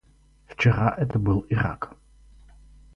Вчера это был Ирак.